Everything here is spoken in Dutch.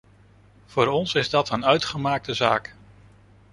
Voor ons is dat een uitgemaakte zaak.